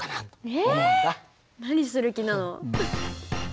何する気なの？